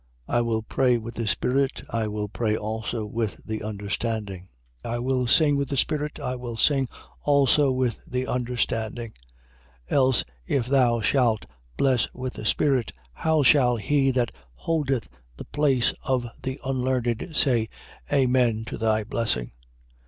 I will pray with the spirit, I will pray also with the understanding, I will sing with the spirit, I will sing also with the understanding. 14:16. Else, if thou shalt bless with the spirit, how shall he that holdeth the place of the unlearned say, Amen, to thy blessing?